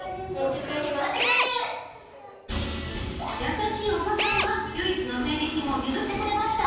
優しいおばさんが唯一の戦利品を譲ってくれました。